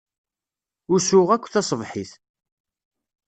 Usuɣ akk taṣebḥit.